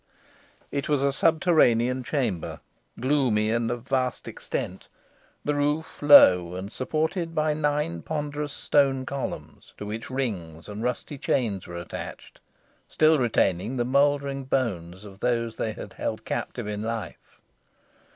It was a subterranean chamber; gloomy, and of vast extent; the roof low, and supported by nine ponderous stone columns, to which rings and rusty chains were attached, still retaining the mouldering bones of those they had held captive in life.